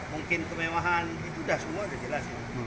mungkin kemewahan itu dah semua sudah jelas